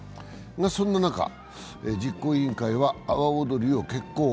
そんな中、実行委員会は阿波おどりを決行。